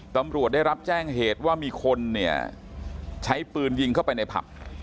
ตำรวจได้รับแจ้งเหตุว่ามีคนเนี่ยใช้ปืนยิงเข้าไปในผับ